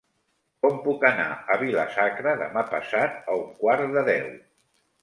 Com puc anar a Vila-sacra demà passat a un quart de deu?